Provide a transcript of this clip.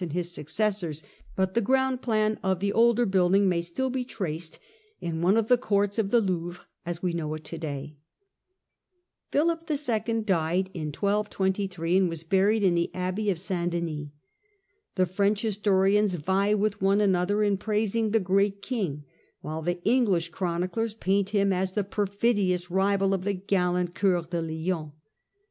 and his successors, but the ground plan of the older building may still be traced in one of the courts of the Louvre, as we know it to day. Death of Philip II. died in 1223, and was buried in the abbey 1223^^^*' o^ ^^ Denis. The French historians vie with one another in praising the great king, while the English chroniclers paint him as the perfidious rival of the gallant Cceur de Lion.